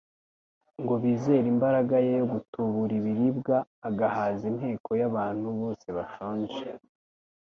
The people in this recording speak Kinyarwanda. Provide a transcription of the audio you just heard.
ngo bizere imbaraga ye yo gutubura ibiribwa, agahaza inteko y'abantu bose bashonje.